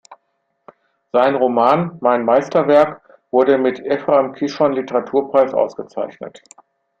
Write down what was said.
Sein Roman „Mein Meisterwerk“ wurde mit Ephraim-Kishon-Literaturpreis ausgezeichnet.